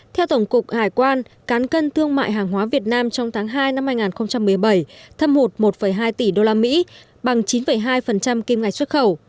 theo tổng cục hải quan cán cân thương mại hàng hóa việt nam trong tháng hai năm hai nghìn một mươi bảy thâm hụt một hai tỷ usd bằng chín hai kim ngạch xuất khẩu